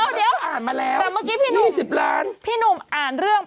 เดี๋ยวอ่านมาแล้วนี่๑๐ล้านพี่นุ่มพี่นุ่มอ่านเรื่อง